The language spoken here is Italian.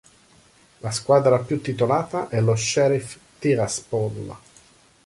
La squadra più titolata è lo Sheriff Tiraspol.